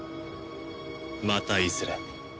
またいずれ。